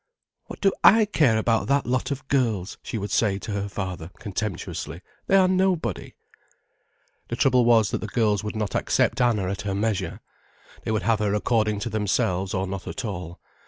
"What do I care about that lot of girls?" she would say to her father, contemptuously; "they are nobody." The trouble was that the girls would not accept Anna at her measure. They would have her according to themselves or not at all.